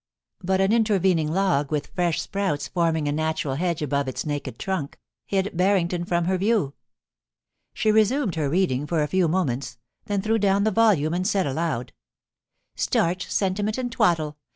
But an intervening log, with fresh sprouts forming a natural hedge above its naked trunk, hid Barring ton from her view. She resumed her reading for a few moments, then threw down the volume and said aloud :* Starch, sentiment, and twaddle.